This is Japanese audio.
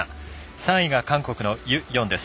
３位が韓国のユ・ヨンです。